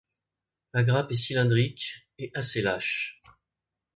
La grappe est cylindrique et assez lâche.